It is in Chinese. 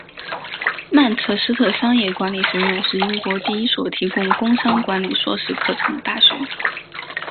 曼彻斯特商业管理学院是英国第一所提供工商管理硕士课程的大学。